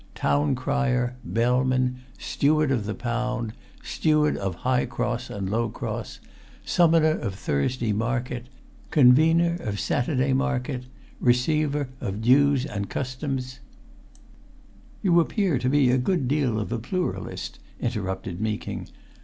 Town Crier. Bellman. Steward of the Pound. Steward of High Cross and Low Cross. Summoner of Thursday Market. Convener of Saturday Market. Receiver of Dues and Customs " "You appear to be a good deal of a pluralist," interrupted Meeking.